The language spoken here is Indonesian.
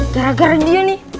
gara gara dia nih